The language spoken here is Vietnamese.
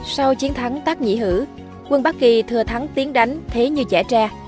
sau chiến thắng tác nhị hữu quân bác kỳ thừa thắng tiến đánh thế như chẻ tre